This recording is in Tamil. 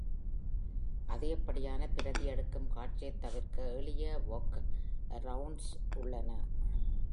அதிகப்படியான பிரதிஎடுக்கும் காட்சியைத் தவிர்க்க எளிய வொர்க்அரொவுண்ட்ஸ் உள்ளன.